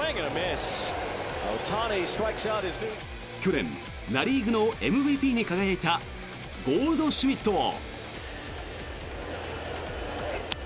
去年ナ・リーグのＭＶＰに輝いたゴールドシュミットを。